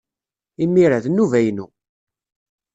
Imir-a, d nnuba-inu.